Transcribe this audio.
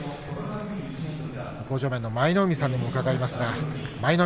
向正面の舞の海さんにも伺います。